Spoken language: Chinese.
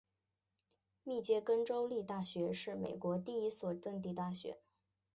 密歇根州立大学是美国第一所赠地大学。